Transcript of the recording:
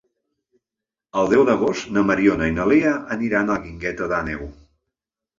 El deu d'agost na Mariona i na Lea aniran a la Guingueta d'Àneu.